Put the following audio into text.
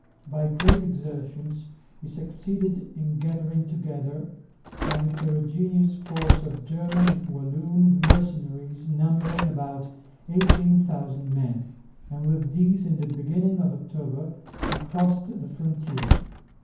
By great exertions he succeeded in gathering together a heterogeneous force of German and Walloon mercenaries numbering about 18,000 men, and with these in the beginning of October he crossed the frontier.